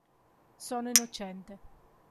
Sono innocente